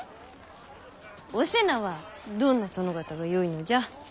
お瀬名はどんな殿方がよいのじゃ？